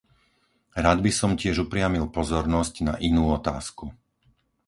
Rád by som tiež upriamil pozornosť na inú otázku.